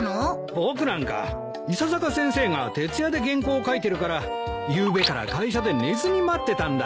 僕なんか伊佐坂先生が徹夜で原稿を書いてるからゆうべから会社で寝ずに待ってたんだ。